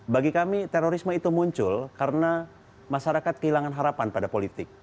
bagi kami terorisme itu muncul karena masyarakat kehilangan harapan pada politik